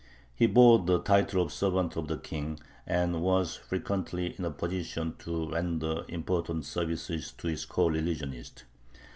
He bore the title of "servant of the king," and was frequently in a position to render important services to his coreligionists.